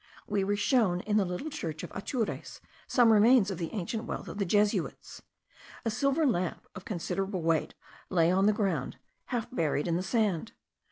We were shown in the little church of Atures some remains of the ancient wealth of the Jesuits. A silver lamp of considerable weight lay on the ground half buried in the sand.